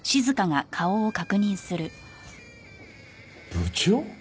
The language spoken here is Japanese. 部長？